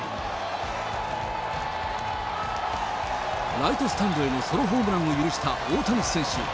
ライトスタンドへのソロホームランを許した大谷選手。